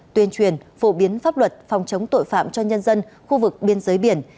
tuyên truyền phổ biến pháp luật phòng chống tội phạm cho nhân dân khu vực biên giới biển